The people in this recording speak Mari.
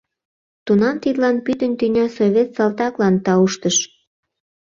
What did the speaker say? Тунам тидлан пӱтынь тӱня совет салтаклан тауштыш.